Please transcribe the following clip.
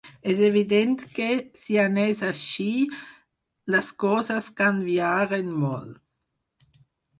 És evident que, si anés així, les coses canviaren molt.